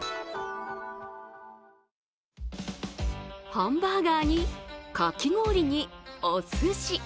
ハンバーガーにかき氷におすし。